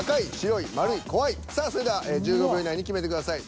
さあそれでは１５秒以内に決めてください。